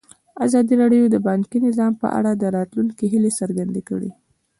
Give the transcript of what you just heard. ازادي راډیو د بانکي نظام په اړه د راتلونکي هیلې څرګندې کړې.